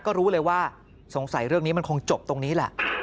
ก็รู้เลยว่าสงสัยเรื่องนี้มันคงจบตรงนี้แหละ